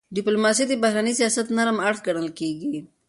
ډيپلوماسي د بهرني سیاست نرم اړخ ګڼل کېږي.